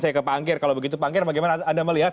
saya ke panggir kalau begitu panggir bagaimana anda melihat